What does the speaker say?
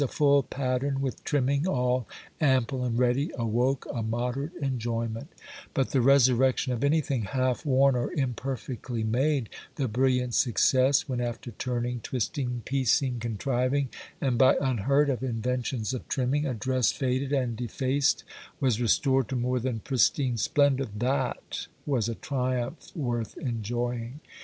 A full pattern with trimming, all ample and ready, awoke a moderate enjoyment; but the resurrection of anything half worn or imperfectly made, the brilliant success, when, after turning, twisting, piecing, contriving, and, by unheard of inventions of trimming, a dress faded and defaced was restored to more than pristine splendour,—that was a triumph worth enjoying.